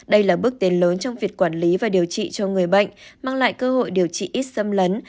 đây là bước tiến lớn trong việc quản lý và điều trị cho người bệnh mang lại cơ hội điều trị ít xâm lấn